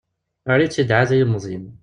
Err-itt-id ɛad i yilmeẓyen.